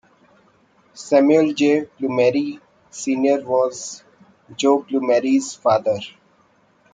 Samuel J. Plumeri, Senior was Joe Plumeri's father.